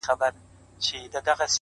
نیک چلند د درناوي تخم شیندي’